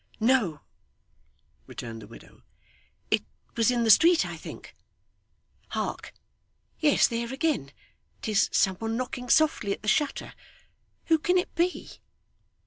'No,' returned the widow. 'It was in the street, I think. Hark! Yes. There again! 'Tis some one knocking softly at the shutter. Who can it be!